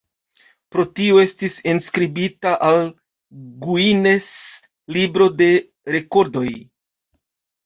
Pro tio estis enskribita al Guinness-libro de rekordoj.